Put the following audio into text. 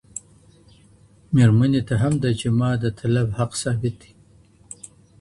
ميرمني ته هم د جماع د طلب حق ثابت دی.